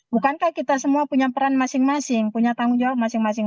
bukankah kita semua punya peran masing masing punya tanggung jawab masing masing